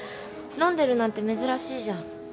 飲んでるなんて珍しいじゃん。